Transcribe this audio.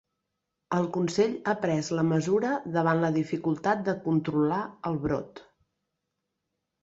El Consell ha pres la mesura davant la dificultat de controlar el brot